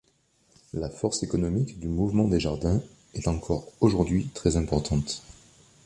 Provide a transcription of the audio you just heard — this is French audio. La force économique du Mouvement Desjardins est, encore aujourd'hui, très importante.